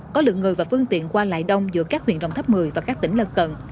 có lượng người và phương tiện qua lại đông giữa các huyện rồng thấp một mươi và các tỉnh lân cận